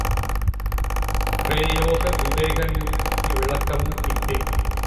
பிரயோக விவேகநூல் விளக்கமும் இஃதே.